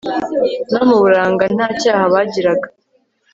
no mu buranga Nta cyaha bagiraga